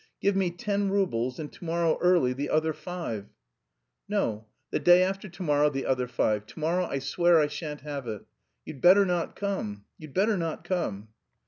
"Give me ten roubles, and to morrow early the other five." "No, the day after to morrow the other five, to morrow I swear I shan't have it. You'd better not come, you'd better not come."